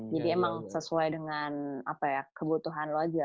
jadi emang sesuai dengan apa ya kebutuhan lo aja